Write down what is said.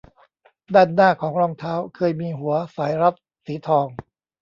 ด้านหน้าของรองเท้าเคยมีหัวสายรัดสีทอง